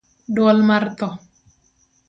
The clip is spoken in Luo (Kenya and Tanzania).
duol mar tho